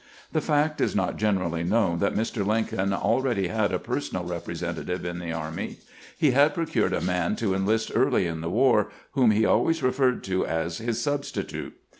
The fact is not gen erally known that Mr. Lincoln already had a personal representative in the army. He had procured a man to enlist early in the war, whom he always referred to as his " substitute."